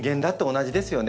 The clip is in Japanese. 同じですよね。